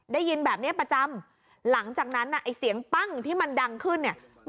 ได้ยินแบบนี้ประจำหลังจากนั้นไอ้เสียงปั้งที่มันดังขึ้นเนี่ย